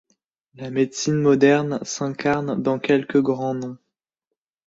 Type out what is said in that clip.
La médecine moderne s’incarne dans quelques grands noms.